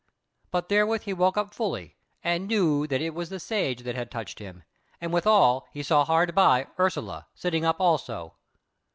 But therewith he woke up fully, and knew that it was the Sage that had touched him, and withal he saw hard by Ursula, sitting up also.